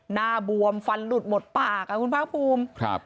หน้าบวมฟันหลุดหมดปากอ่าคุณพุทธครับ